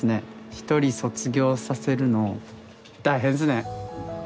一人卒業させるの大変ですね。